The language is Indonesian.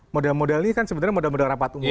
modal modal ini kan sebenarnya modal modal rapat umum